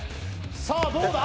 さあどうだ？